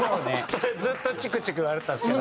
それずっとチクチク言われてたんですけど。